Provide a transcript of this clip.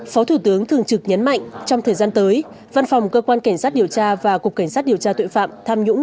phó thủ tướng thường trực nhấn mạnh trong thời gian tới văn phòng cơ quan cảnh sát điều tra và cục cảnh sát điều tra tội phạm tham nhũng